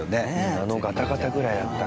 あのガタガタぐらいだったら。